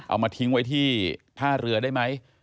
เอามาทิ้งไว้ที่ท่าเรือได้ไหม